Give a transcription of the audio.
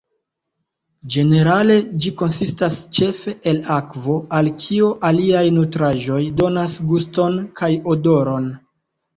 Ĝenerale ĝi konsistas ĉefe el akvo, al kio aliaj nutraĵoj donas guston kaj odoron.